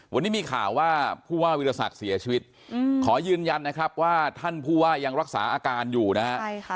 วันนี้มีข่าวว่าผู้ว่าวิทยาศักดิ์เสียชีวิตขอยืนยันนะครับว่าท่านผู้ว่ายังรักษาอาการอยู่นะฮะ